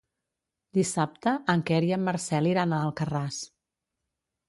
Dissabte en Quer i en Marcel iran a Alcarràs.